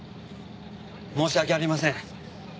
申し訳ありません。